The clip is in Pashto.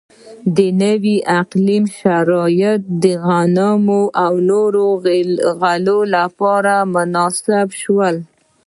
نوي اقلیمي شرایط د غنمو او نورو غلو لپاره مناسب شول.